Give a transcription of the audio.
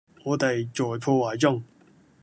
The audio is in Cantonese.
我地在破壞中